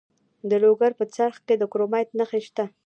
د لوګر په څرخ کې د کرومایټ نښې شته.